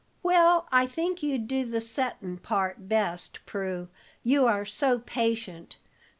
"Well, I think you'd do the settin' part best, Prue, you are so patient.